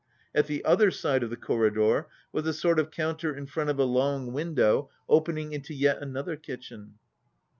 At the other side of the corridor was a sort of counter in front of a long window opening into yet another kitchen.